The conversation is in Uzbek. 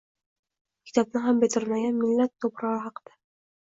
Maktabni ham bitirmagan “Millat to‘purari” haqida